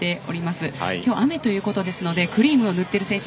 今日雨ということでクリームを塗っている選手。